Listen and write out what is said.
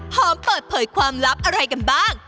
พร้อมเปิดเผยความลับอะไรกันบ้าง